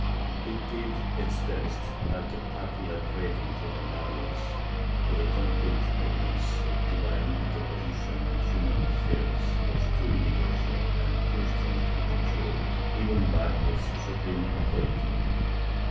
It did its best, but the popular craving for the m arvehous, for concrete evidence of divine inter position in human affairs, was too universal and too strong to be controlled, even by its supreme authority.